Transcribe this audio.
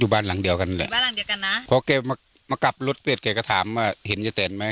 บ้านหลังเดียวกันแหละบ้านหลังเดียวกันนะพอแกมามากลับรถเสร็จแกก็ถามว่าเห็นยายแตนไหม